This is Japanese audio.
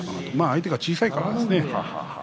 相手が小さいからですね。